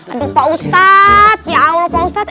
aduh pak ustadz ya allah pak ustadz